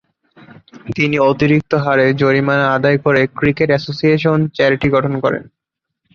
তিনি অতিরিক্ত হারে জরিমানা আদায় করে ক্রিকেট অ্যাসোসিয়েশন চ্যারিটি গঠন করেন।